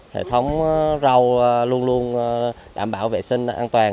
hệ thống rau luôn luôn đảm bảo vệ sinh an toàn